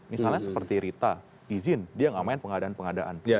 misalnya seperti rita izin dia nggak main pengadaan pengadaan